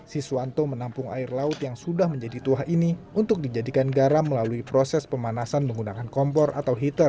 siswanto menampung air laut yang sudah menjadi tua ini untuk dijadikan garam melalui proses pemanasan menggunakan kompor atau heather